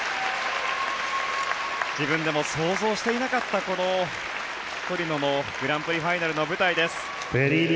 自分でも想像していなかったこのトリノのグランプリファイナルの舞台です。